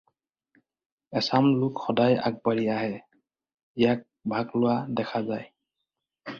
এচাম লোক সদায় আগবাঢ়ি আহি ইয়াত ভাগ লোৱা দেখা যায়।